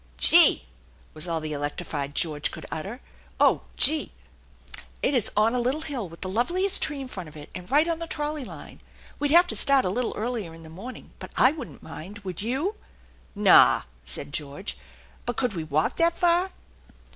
" Gee !" was all the electrified George could utter. " Oh, gee!" " It is on a little hill with the loveliest tree in front of it, and right on the trolley line. We'd have to start a little earlier in the morning ; but I wouldn't mind, would you ?"" Naw !" said George, " but could we walk that far